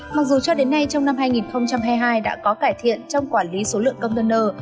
mặc dù cho đến nay trong năm hai nghìn hai mươi hai đã có cải thiện trong quản lý số lượng container